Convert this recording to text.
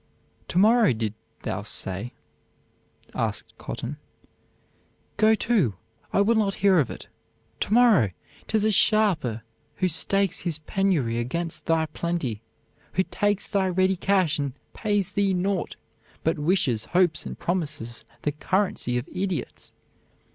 "To morrow, didst thou say?" asked Cotton. "Go to I will not hear of it. To morrow! 'tis a sharper who stakes his penury against thy plenty who takes thy ready cash and pays thee naught but wishes, hopes, and promises, the currency of idiots.